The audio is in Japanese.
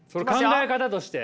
考え方として。